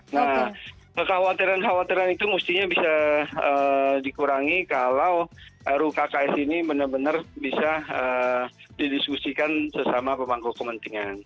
nah kekhawatiran kekhawatiran itu mestinya bisa dikurangi kalau rukks ini benar benar bisa didiskusikan sesama pemangku kepentingan